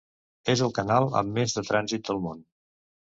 És el canal amb més de trànsit del món.